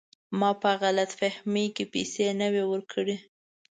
ما په غلط فهمۍ کې پیسې نه وې ورکړي.